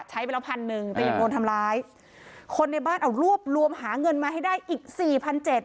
ใช้ไปแล้วพันหนึ่งแต่ยังโดนทำร้ายคนในบ้านเอารวบรวมหาเงินมาให้ได้อีกสี่พันเจ็ด